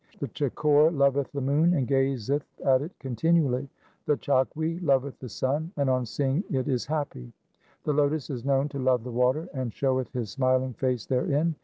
1 The chakor loveth the moon and gazeth at it continually. The chakwi loveth the sun, and on seeing it is happy. The lotus is known to love the water, and showeth his smiling face therein.